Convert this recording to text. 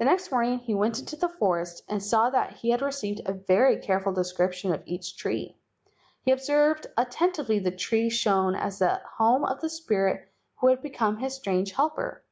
The next morning he went into the forest and saw that he had received a very careful description of each tree. He observed attentively the tree KALAI PAHOA, THE POISON GOD 113 shown as the home of the spirit who had become his strange helper.